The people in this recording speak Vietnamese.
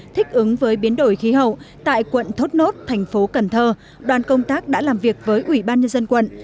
thích ứng với biến đổi khí hậu tại quận thốt nốt thành phố cần thơ đoàn công tác đã làm việc với ủy ban nhân dân quận